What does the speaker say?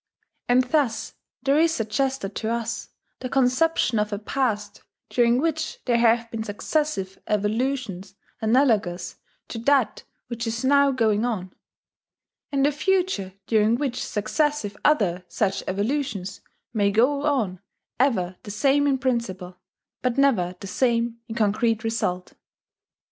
And thus there is suggested to us the conception of a past during which there have been successive Evolutions analogous to that which is now going on; and a future during which successive other such Evolutions may go on ever the same in principle, but never the same in concrete result."